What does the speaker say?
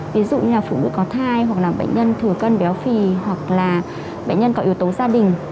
ví dụ như là phụ nữ có thai hoặc là bệnh nhân thừa cân béo phì hoặc là bệnh nhân có yếu tố gia đình